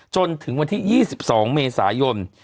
จนถึงวันที่๒๒เมษายน